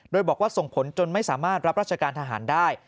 โดยบอกว่าส่งผลจนไม่สามารถรับราชการทหารได้